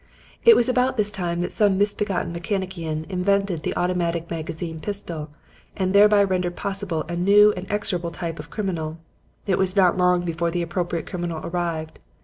It was about this time that some misbegotten mechanician invented the automatic magazine pistol, and thereby rendered possible a new and execrable type of criminal. It was not long before the appropriate criminal arrived.